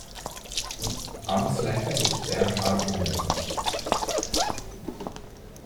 Amtsleiter ist Bernhard Unger.